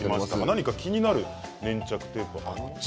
何か気になる粘着テープはありますか？